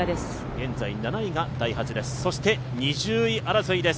現在７位がダイハツです。